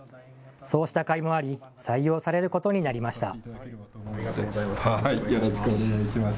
そうしたかいもあり採用されることになりました。